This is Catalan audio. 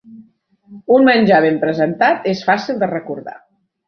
Un menjar ben presentat és fàcil de recordar.